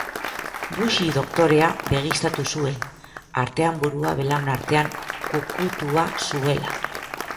Buxi doktorea begiztatu zuen, artean burua belaun artean kukutua zuela.